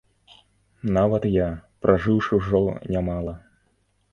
Нават я, пражыўшы ўжо нямала.